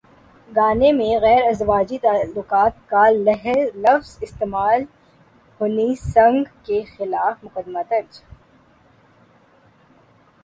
گانے میں غیر ازدواجی تعلقات کا لفظ استعمال ہنی سنگھ کے خلاف مقدمہ درج